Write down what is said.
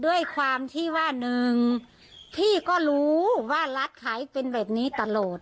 ด้วยความที่ว่าหนึ่งพี่ก็รู้ว่าร้านขายเป็นแบบนี้ตลอด